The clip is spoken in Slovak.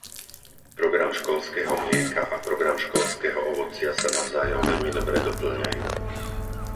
Program školského mlieka a program školského ovocia sa navzájom veľmi dobre dopĺňajú.